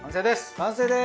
完成です